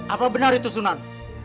apa benar itu sunan